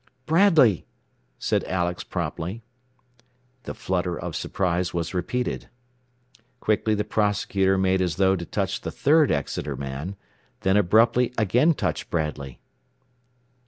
"Bradley," said Alex promptly. The flutter of surprise was repeated. Quickly the prosecutor made as though to touch the third Exeter man, then abruptly again touched Bradley.